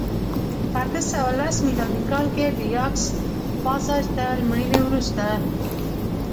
په اته سوه لس میلادي کال کې د یاکس پاساج تر مړینې وروسته